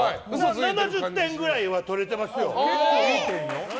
７０点ぐらいは取れてますよ。